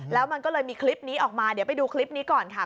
แล้วมันก็เลยมีคลิปนี้ออกมาเดี๋ยวไปดูคลิปนี้ก่อนค่ะ